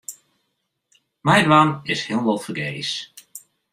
Meidwaan is hielendal fergees.